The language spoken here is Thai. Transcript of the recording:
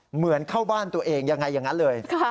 เหมือนเข้าบ้านตัวเองยังไงอย่างนั้นเลย